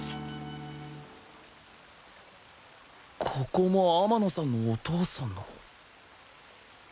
ここも天野さんのお父さんの